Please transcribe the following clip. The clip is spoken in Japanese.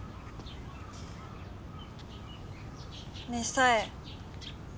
ねえ紗絵。